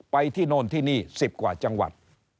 ไปที่โน่นที่นี่๑๐กว่าจังหวัด